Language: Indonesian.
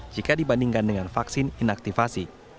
jika dibandingkan dengan vaksin inaktivasi